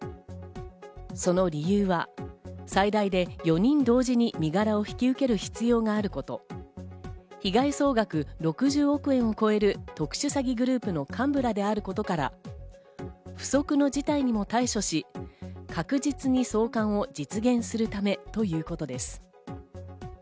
その理由は最大で４人同時に身柄を引き受ける必要があること、被害総額６０億円を超える特殊詐欺グループの幹部らであることから、不測の事態にも対処し、確実に送還を実現するためということです。